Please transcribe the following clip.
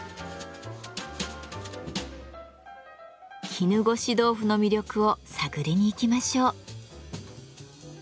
絹ごし豆腐の魅力を探りにいきましょう。